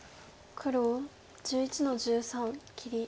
黒１１の十三切り。